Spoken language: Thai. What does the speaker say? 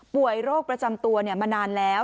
โรคประจำตัวมานานแล้ว